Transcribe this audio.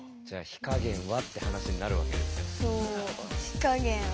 火加減は。